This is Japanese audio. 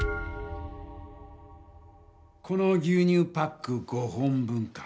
この牛乳パック５本分か。